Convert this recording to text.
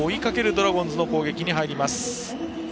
ドラゴンズの攻撃に入ります。